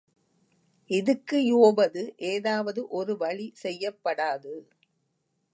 இதுக்கு யோவது ஏதாவது ஒருவழி செய்யப்படாது?